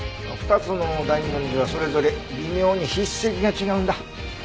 ２つの大文字はそれぞれ微妙に筆跡が違うんだ。